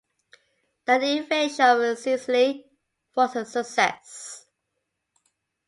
The invasion of Sicily was a success.